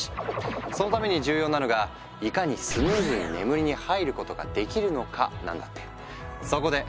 そのために重要なのがいかにスムーズに眠りに入ることができるのかなんだって。